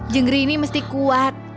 jenggeri ini mesti kuat